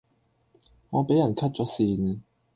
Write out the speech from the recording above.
我俾人 cut 左線